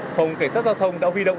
phòng cảnh sát giao thông đã vi động